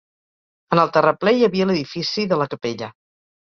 En el terraplè, hi havia l'edifici de la capella.